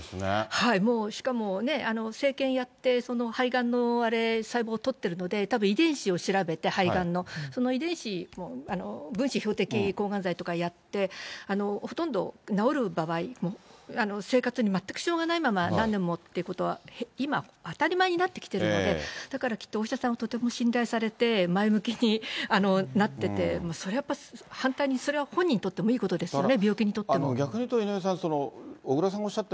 もう、しかもね、生けんやって、その肺がんの細胞をとっているので、たぶん、遺伝子を調べて、肺がんの、その遺伝子の分子標的抗がん剤とかやって、ほとんど治る場合も、生活に全く支障がないまま何年もっていうことは今、当たり前になってきているので、だからきっと、お医者さんをとても信頼されて、前向きになってて、それはやっぱり反対にそれは本人にとってもいいことですよね。